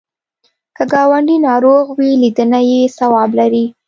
که ګاونډی ناروغ وي، لیدنه یې ثواب لري